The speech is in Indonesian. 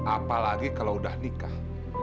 apalagi kalau udah nikah